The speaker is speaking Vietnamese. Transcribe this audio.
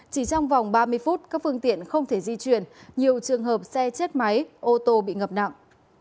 chỉ trong vòng ba mươi phút các phương tiện không thể di chuyển nhiều trường hợp xe chết máy ô tô bị ngập nặng